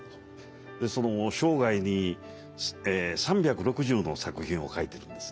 その生涯に３６０の作品を書いているんです。